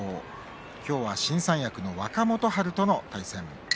今日は新三役の若元春との対戦です。